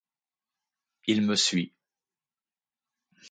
Il me suit.